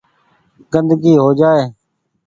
گندگي هو جآئي۔